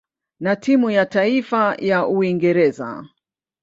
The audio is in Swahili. na timu ya taifa ya Uingereza.